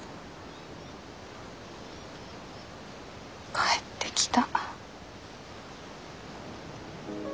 帰ってきた。